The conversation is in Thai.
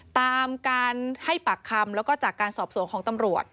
ตามการให้ปากคำแล้วก็จากการสอบสวนของตำรวจ